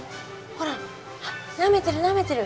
ほらあっなめてるなめてる。